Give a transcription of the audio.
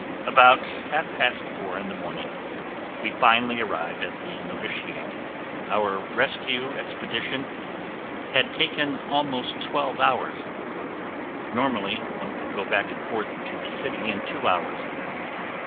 About half past four in the morning, we finally arrive at the Novitiate. Our rescue expedition had taken almost twelve hours. Normally, one could go back and forth to the city in two hours.